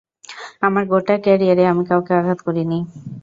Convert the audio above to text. আমার গোটা ক্যারিয়ারে, আমি কাউকে আঘাত করিনি।